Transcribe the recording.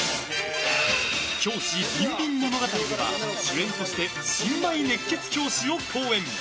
「教師びんびん物語」では主演として新米熱血教師を好演。